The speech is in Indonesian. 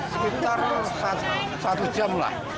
sekitar satu jam lah